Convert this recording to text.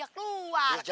ya kita nungguin dia